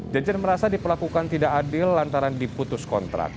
jejen merasa diperlakukan tidak adil lantaran diputus kontrak